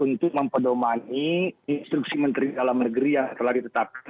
untuk mempedomani instruksi menteri dalam negeri yang telah ditetapkan